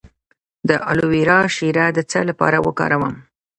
د الوویرا شیره د څه لپاره وکاروم؟